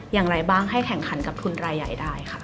อย่างไรบ้างให้แข่งขันกับทุนรายใหญ่ได้ค่ะ